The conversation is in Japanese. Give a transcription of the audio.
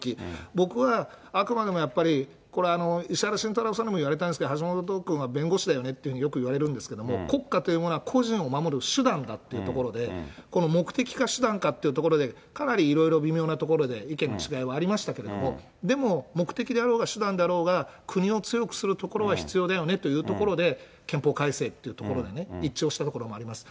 僕はあくまでもやっぱり、これ、石原慎太郎さんにも言われたんですけど、橋下徹君は弁護士だよねってよく言われるんですけれども、国家というものは個人を守る手段ということで、この目的か手段かっていうところで、かなりいろいろ微妙なところで意見の違いはありましたけれども、でも、目的であろうが、手段であろうが、国を強くするところは必要だよねということで、憲法改正っていうところでね、一致をしたところもあります。